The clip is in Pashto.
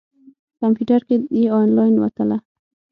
کمپیوټر کې یې انلاین وتله.